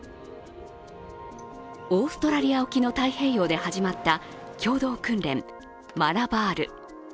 オーストラリア沖の太平洋で始まった共同訓練、マラバール。